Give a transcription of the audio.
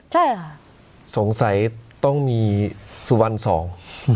ใช่ค่ะสงสัยต้องมีสุวรรณสอง